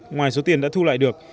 ngoài số tiền đã thu lại được